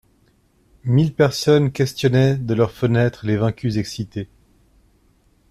Mille personnes questionnaient, de leurs fenêtres, les vaincus excités.